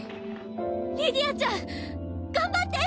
リディアちゃん頑張って！